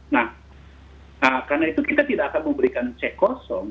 nah karena itu kita tidak akan memberikan cek kosong